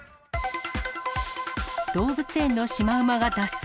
動物園のシマウマが脱走。